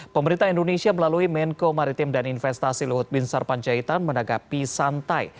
pemerintah indonesia melalui menko maritim dan investasi luhut binsar panjaitan menagapi santai